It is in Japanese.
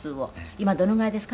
今、どのぐらいですか？